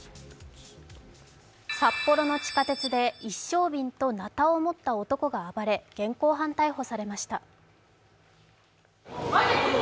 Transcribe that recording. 札幌の地下鉄で一升瓶となたを持った男が暴れ現行犯逮捕されました。